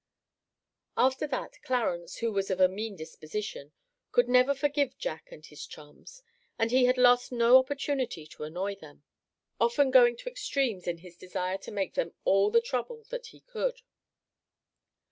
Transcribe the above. After that Clarence, who was of a mean disposition, could never forgive Jack and his chums; and he had lost no opportunity to annoy them, often going to extremes in his desire to make them all the trouble that he could.